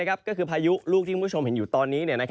ก็คือพายุลูกที่คุณผู้ชมเห็นอยู่ตอนนี้